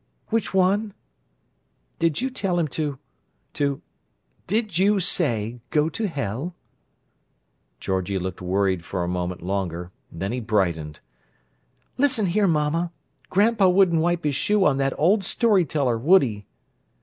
"Which one?" "Did you tell him to—to—Did you say, 'Go to hell?'" Georgie looked worried for a moment longer; then he brightened. "Listen here, mamma; grandpa wouldn't wipe his shoe on that ole story teller, would he?"